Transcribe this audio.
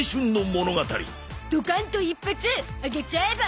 ドカンと一発上げちゃえば？